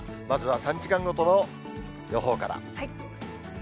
まずは３時間ごとの予報から。